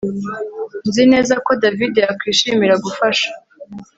Nzi neza ko David yakwishimira gufasha